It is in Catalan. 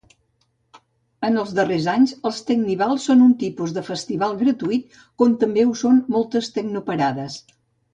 En els darrers anys, els tecnivals són un tipus de festival gratuït, com també ho són moltes tecnoparades.